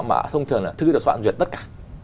mà thông thường là thư được soạn duyệt tất cả